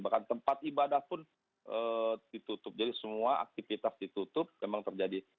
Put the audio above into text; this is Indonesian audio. bahkan tempat ibadah pun ditutup jadi semua aktivitas ditutup memang terjadi